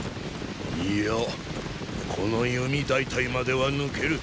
いやこの弓大隊までは抜ける。